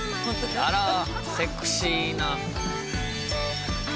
あらセクシーな。